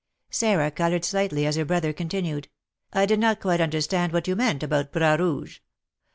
Sarah coloured slightly as her brother continued, "I did not quite understand what you meant about Bras Rouge.